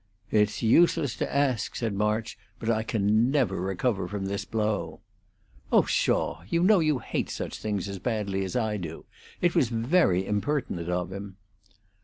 "It's useless to ask," said March. "But I never can recover from this blow." "Oh, pshaw! You know you hate such things as badly as I do. It was very impertinent of him."